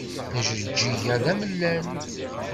Ajeǧǧig-a d amellal.